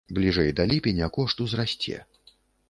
Бліжэй да ліпеня кошт узрасце.